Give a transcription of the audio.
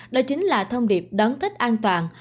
đó chính là thông điệp đón tết an toàn